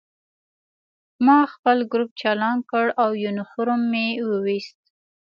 ما خپل ګروپ چالان کړ او یونیفورم مې وویست